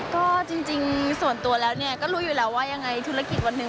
ก็จริงส่วนตัวแล้วเนี่ยก็รู้อยู่แล้วว่ายังไงธุรกิจวันหนึ่ง